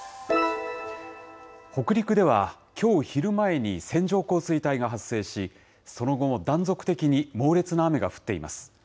北陸ではきょう昼前に線状降水帯が発生し、その後も断続的に猛烈な雨が降っています。